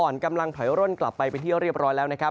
อ่อนกำลังถอยร่นกลับไปเป็นที่เรียบร้อยแล้วนะครับ